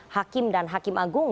hakim dan hakim agung